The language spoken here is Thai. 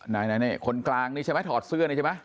นายนี่คนกลางนี่ใช่ไหมถอดเสื้อนี่ใช่ไหม